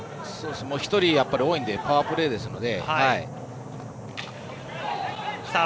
１人多いんでパワープレーですので。